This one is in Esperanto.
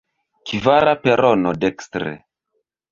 Kvara perono, dekstre.